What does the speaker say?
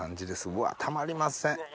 うわたまりません！